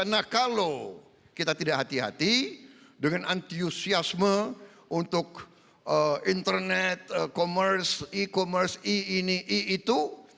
nah kalau kita tidak hati hati dengan antusiasme untuk internet e commerce e ini e itu